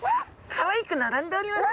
かわいく並んでおりますね。